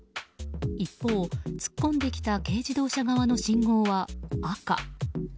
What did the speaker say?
一方、突っ込んできた軽自動車側の信号は赤。